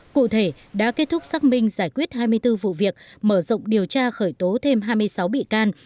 cụ thể đã kết thúc xác minh giải quyết hai mươi bốn vụ việc mở rộng điều tra khởi tố thêm hai mươi sáu bị can